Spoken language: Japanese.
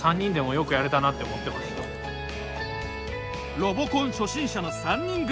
ロボコン初心者の３人組。